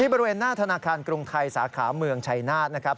บริเวณหน้าธนาคารกรุงไทยสาขาเมืองชัยนาธนะครับ